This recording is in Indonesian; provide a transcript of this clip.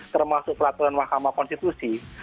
termasuk peraturan mahkamah konstitusi